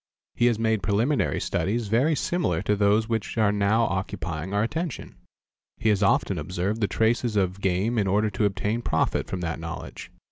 He has made preliminary studies very similar to those which are now occupying our attention. He has often observed the traces of game in order to obtain profit from that knowledge.